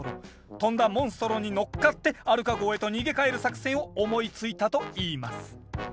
飛んだモンストロに乗っかってアルカ号へと逃げ帰る作戦を思いついたといいます。